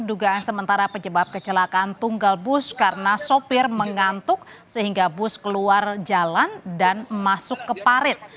dugaan sementara penyebab kecelakaan tunggal bus karena sopir mengantuk sehingga bus keluar jalan dan masuk ke parit